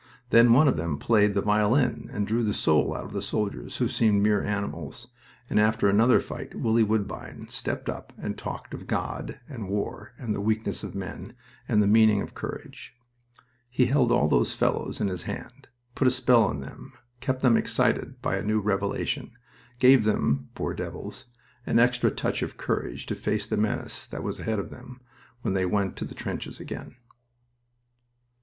Then one of them played the violin and drew the soul out of soldiers who seemed mere animals, and after another fight Willie Woodbine stepped up and talked of God, and war, and the weakness of men, and the meaning of courage. He held all those fellows in his hand, put a spell on them, kept them excited by a new revelation, gave them, poor devils, an extra touch of courage to face the menace that was ahead of them when they went to the trenches again.